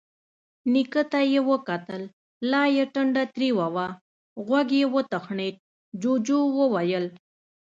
نيکه ته يې وکتل، لا يې ټنډه تروه وه. غوږ يې وتخڼېد، جُوجُو وويل: